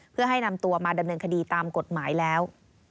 เพื่อให้นำตัวมาดำเนินคดีตามกฎหมายแล้ว